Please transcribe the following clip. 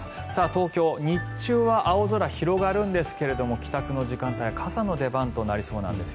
東京、日中は青空広がるんですけれども帰宅の時間帯は傘の出番となりそうなんです。